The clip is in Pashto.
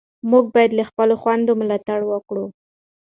موږ باید له خپلو خویندو ملاتړ وکړو.